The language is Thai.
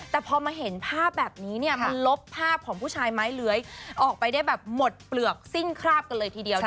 แต่พอมาเห็นภาพแบบนี้เนี่ยมันลบภาพของผู้ชายไม้เลื้อยออกไปได้แบบหมดเปลือกซิ่งคราบกันเลยทีเดียว